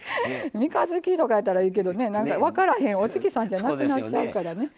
三日月とかならいいけど分からへんお月さんじゃなくなっちゃうからね。